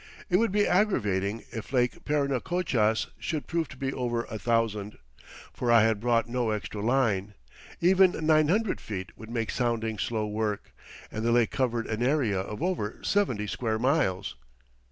It would be aggravating if Lake Parinacochas should prove to be over a thousand, for I had brought no extra line. Even nine hundred feet would make sounding slow work, and the lake covered an area of over seventy square miles.